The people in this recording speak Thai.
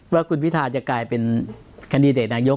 ว่าคุณพิทาจะกลายเป็นแคนดิเดตนายก